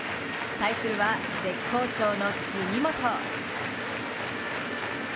対するは絶好調の杉本。